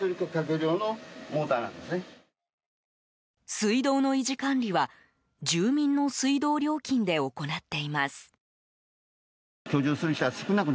水道の維持管理は住民の水道料金で行っています。